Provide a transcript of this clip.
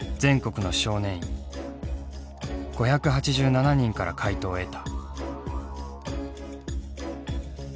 ５８７人から回答を得た。